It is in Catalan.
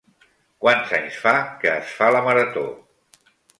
Quants anys fa que es fa la Marató?